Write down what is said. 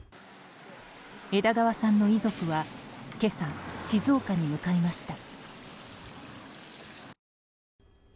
枝川さんの遺族は今朝、静岡に向かいました。